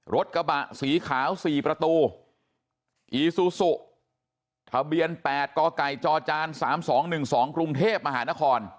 รถกระบะสีขาวสี่ประตูอีซูซุทะเบียนแปดก่อก่อยจอจานสามสองหนึ่งสองกรุงเทพมหานคร